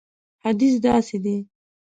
حدیث داسې دی.